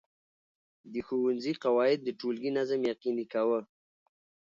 د ښوونځي قواعد د ټولګي نظم یقیني کاوه.